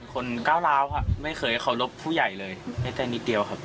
คนก้าวล้าวค่ะไม่เคยขอลบผู้ใหญ่เลยแค่แต่นิดเดียวครับ